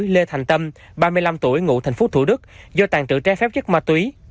lê thành tâm ba mươi năm tuổi ngụ thành phố thủ đức do tàn trữ trái phép chất ma túy